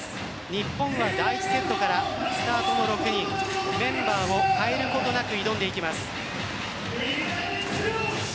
日本は第１セットからスタートの６人メンバーを代えることなく挑んでいきます。